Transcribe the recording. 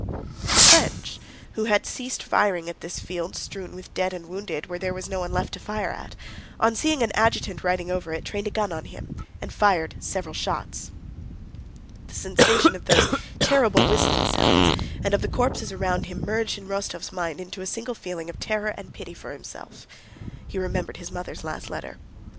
The French, who had ceased firing at this field strewn with dead and wounded where there was no one left to fire at, on seeing an adjutant riding over it trained a gun on him and fired several shots. The sensation of those terrible whistling sounds and of the corpses around him merged in Rostóv's mind into a single feeling of terror and pity for himself. He remembered his mother's last letter.